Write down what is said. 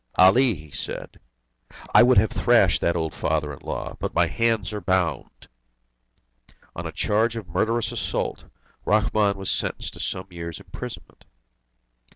"Ali," he said, "I would have thrashed that old father in law, but my hands are bound!" On a charge of murderous assault, Rahmun was sentenced to some years' imprisonment.